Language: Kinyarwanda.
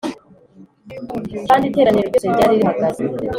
kandi iteraniro ryose ryari rihagaze